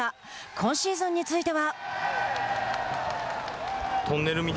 今シーズンについては。